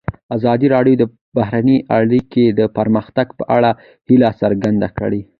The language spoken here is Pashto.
ازادي راډیو د بهرنۍ اړیکې د پرمختګ په اړه هیله څرګنده کړې.